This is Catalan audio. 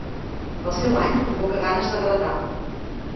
El seu any provoca ganes de gratar.